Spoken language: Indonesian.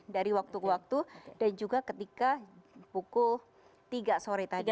dari waktu ke waktu dan juga ketika pukul tiga sore tadi